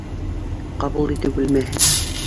Ҡабул итеү бүлмәһе.